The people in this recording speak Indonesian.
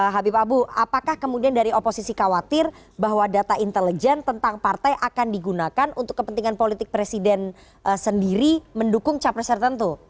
habib abu apakah kemudian dari oposisi khawatir bahwa data intelijen tentang partai akan digunakan untuk kepentingan politik presiden sendiri mendukung capres tertentu